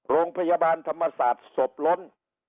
โรงพยาบาลธรรมศาสตร์ศพล้น